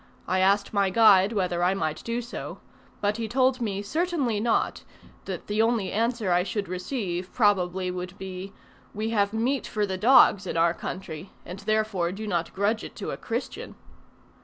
I asked my guide whether I might do so, but he told me certainly not; that the only answer I should receive, probably would be, "We have meat for the dogs in our country, and therefore do not grudge it to a Christian."